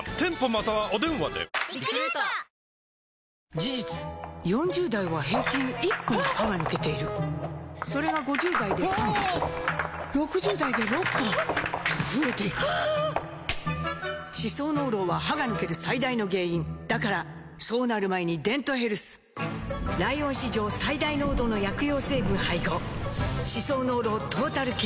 事実４０代は平均１本歯が抜けているそれが５０代で３本６０代で６本と増えていく歯槽膿漏は歯が抜ける最大の原因だからそうなる前に「デントヘルス」ライオン史上最大濃度の薬用成分配合歯槽膿漏トータルケア！